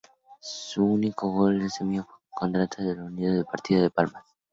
Su único gol en el Sevilla fue contra la Unión Deportiva Las Palmas.